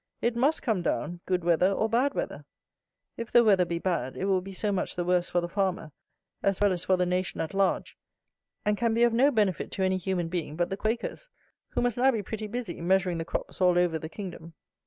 It must come down, good weather or bad weather. If the weather be bad, it will be so much the worse for the farmer, as well as for the nation at large, and can be of no benefit to any human being but the Quakers, who must now be pretty busy, measuring the crops all over the kingdom.